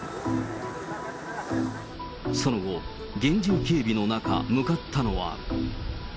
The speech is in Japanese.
その後、厳重警備の中、向かったのは。